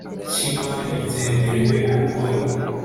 cy imari byemerewe gukora